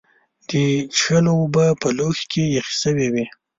د څښلو اوبه په لوښي کې یخې شوې وې.